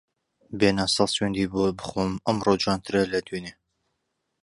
بێنە سەد سوێندی بۆ بخۆم ئەمڕۆ جوانترە لە دوێنێ